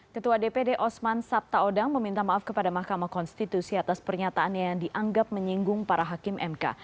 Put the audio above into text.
ketua dpd osman sabtaodang meminta maaf kepada mahkamah konstitusi atas pernyataannya yang dianggap menyinggung para hakim mk